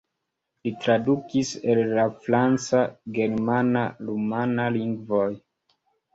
Li tradukis el la franca, germana, rumana lingvoj.